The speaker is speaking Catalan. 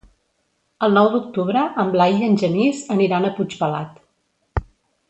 El nou d'octubre en Blai i en Genís aniran a Puigpelat.